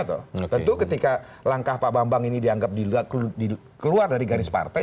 tentu ketika langkah pak bambang ini dianggap keluar dari garis partai